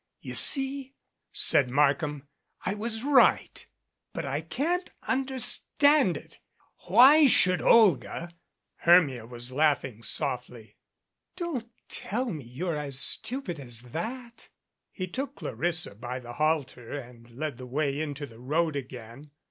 "You see," said Markham, "I was right. But I can't understand it. Why should Olga ?" Hermia was laughing softly. "Don't tell me you're as stupid as that." He took Clarissa by the halter and led the way into the road again.